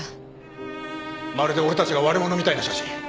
まるで俺たちが悪者みたいな写真。